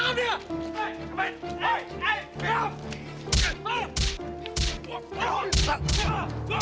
jadi kamu harus menurut semua perintahku ayo